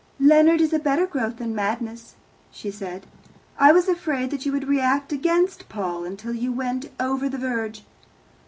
"Leonard is a better growth than madness," she said. "I was afraid that you would react against Paul until you went over the verge."